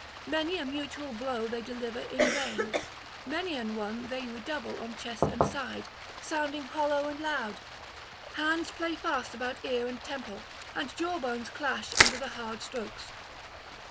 Many a mutual blow they deliver in vain, many an one they redouble on chest and side, sounding hollow and loud: hands play fast about ear and temple, and jawbones clash under the hard strokes.